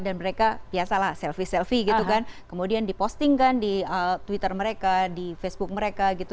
dan mereka pia salah selfie selfie gitu kan kemudian diposting kan di twitter mereka di facebook mereka gitu